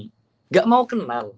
nggak mau kenal